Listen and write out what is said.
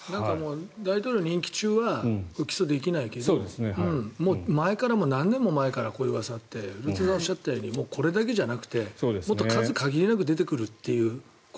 大統領任期中は起訴できないけど前から何年も前からこういううわさがあって廣津留さんがおっしゃったようにこれだけじゃなくてもっと数限りなく出てくるという。